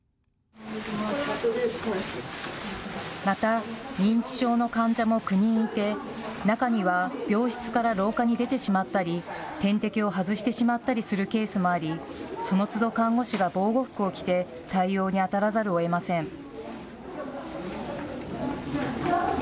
また、認知症の患者も９人いて中には病室から廊下に出てしまったり点滴を外してしまったりするケースもあり、そのつど看護師が防護服を着て対応にあたらざるをえません。